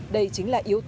đây chính là yếu tố